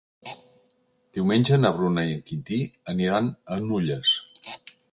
Diumenge na Bruna i en Quintí aniran a Nulles.